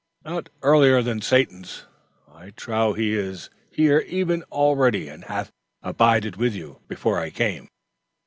"Not earlier than Satan's. I trow he is here even already and hath abided with you, before I came."